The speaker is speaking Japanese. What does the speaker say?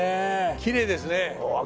きれいですね。